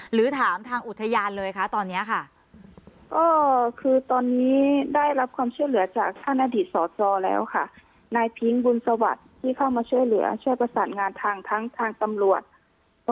หรือถามทางอุทยานเลยค่ะตอนเนี้ยค่ะอ่อคือตอนนี้ได้รับความเชื่อเหลือจาก